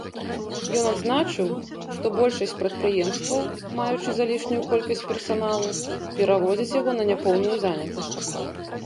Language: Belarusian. Ён адзначыў, што большасць прадпрыемстваў, маючы залішнюю колькасць персаналу, пераводзяць яго на няпоўную занятасць.